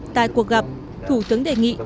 tại cuộc gặp thủ tướng đề nghị